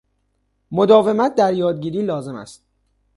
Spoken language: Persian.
مداومت در یادگیری لازم است